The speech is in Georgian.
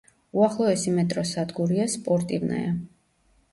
უახლოესი მეტროს სადგურია „სპორტივნაია“.